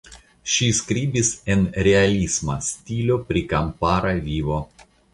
Ŝi skribis en realisma stilo pri kampara vivo.